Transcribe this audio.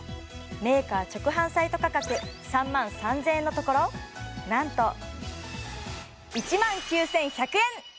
メーカー直販サイト価格３万３０００円のところ何と１万９１００円！